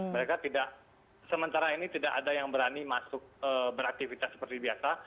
mereka tidak sementara ini tidak ada yang berani masuk beraktivitas seperti biasa